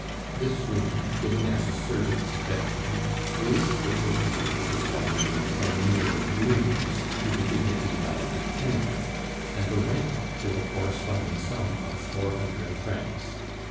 This room, given as a servants' bedroom, raised the Topinards' establishment from mere "rooms" to the dignity of a tenement, and the rent to a corresponding sum of four hundred francs.